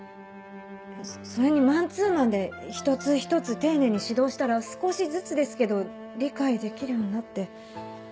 それにマンツーマンで一つ一つ丁寧に指導したら少しずつですけど理解できるようになって。